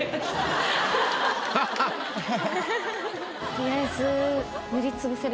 取りあえず。